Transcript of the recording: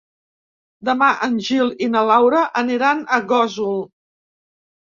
Demà en Gil i na Laura aniran a Gósol.